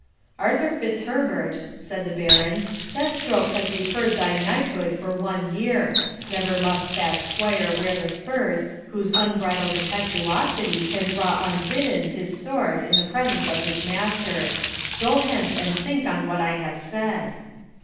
'Arthur Fitzherbert,' said the Baron, 'that stroke has deferred thy knighthood for one year; never must that squire wear the spurs whose unbridled impetuosity can draw unbidden his sword in the presence of his master. Go hence and think on what I have said.'